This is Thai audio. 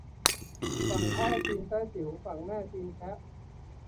ฝั่งพ่อจีนแต้จิ๋ว ฝั่งแม่จีนแคะ